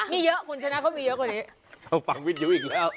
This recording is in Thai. มีเยอะคุณชนะค่ะเขามีเยอะกว่านี้